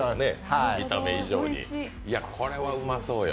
これはうまそうよ。